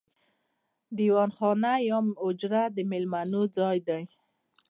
دیوان خانه یا حجره د میلمنو ځای دی.